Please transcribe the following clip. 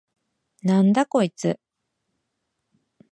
なんだこいつ！？